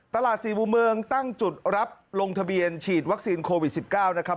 สี่บูเมืองตั้งจุดรับลงทะเบียนฉีดวัคซีนโควิด๑๙นะครับ